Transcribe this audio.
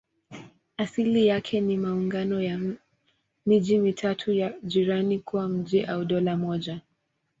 Asili yake ni maungano ya miji mitatu ya jirani kuwa mji au dola moja.